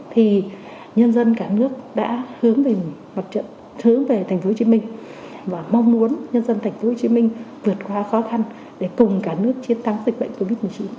thì nhân dân cả nước đã hướng về mặt trận thứ về tp hcm và mong muốn nhân dân tp hcm vượt qua khó khăn để cùng cả nước chiến thắng dịch bệnh covid một mươi chín